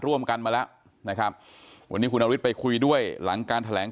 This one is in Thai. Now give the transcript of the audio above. ร่วมกันมาแล้วนะครับวันนี้คุณนฤทธิไปคุยด้วยหลังการแถลง